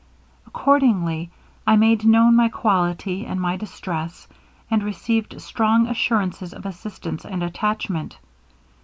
Accordingly, I made known my quality and my distress, and received strong assurances of assistance and attachment.